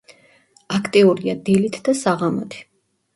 აქტიურია დილით და საღამოთი.